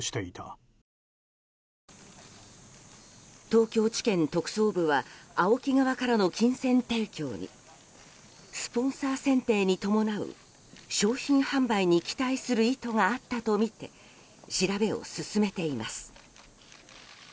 東京地検特捜部はＡＯＫＩ側からの金銭提供にスポンサー選定に伴う商品販売に期待する意図があったとみて調べを進めています。